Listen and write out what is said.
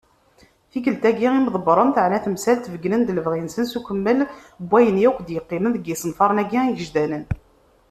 Tikklt-agi, imeḍebbren teεna temsalt, beggnen-d lebɣi-nsen s ukemmel, n wayen yakk d-yeqqimen deg yisenfaren-agi igejedanen.